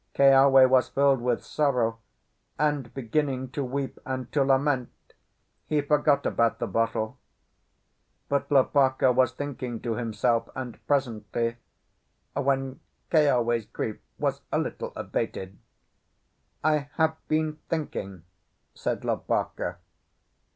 Keawe was filled with sorrow, and, beginning to weep and to lament, he forgot about the bottle. But Lopaka was thinking to himself, and presently, when Keawe's grief was a little abated, "I have been thinking," said Lopaka.